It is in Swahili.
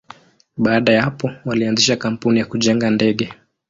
Baada ya hapo, walianzisha kampuni ya kujenga ndege.